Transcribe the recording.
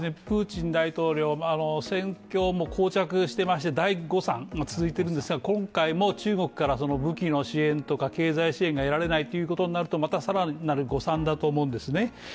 プーチン大統領、戦況もこう着していまして、大誤算が続いているんですが今回も中国から武器の支援、経済支援が得られないということになると、また更なる誤算だと思うんですね。